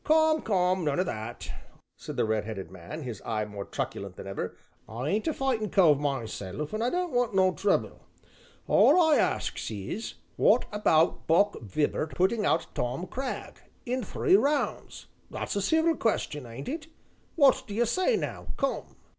"Come, come none o' that," said the red headed man, his eye more truculent than ever, "I ain't a fightin' cove myself, and I don't want no trouble all I asks is, what about Buck Vibart putting out Tom Cragg in three rounds? That's a civil question, ain't it what d'ye say now come?"